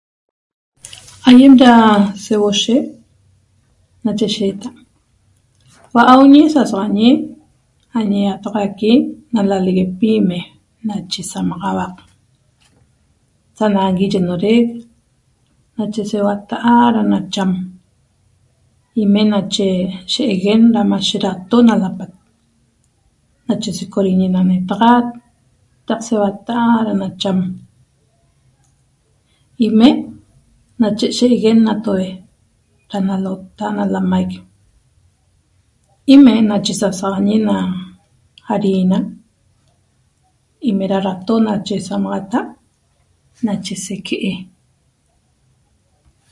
Aiem ra seuoshe/ nache sheeta: hua’auñi sasaxañi añi iataxaqui na laleguepi ime nache samaxauaq, sanangui ye norec nache seuata’a ra nacham ime nache sheguen ra mashe rato na lapat nache secoriñi na ne’etaxat taq seuata’a ra nacham, ime nache sheeguen na toue ra nalota na lamaic ime nache sasaxañi na harina. Ime ra rato nache samaxata nache seque’e.